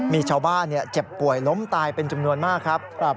มีชาวบ้านเจ็บป่วยล้มตายเป็นจำนวนมากครับ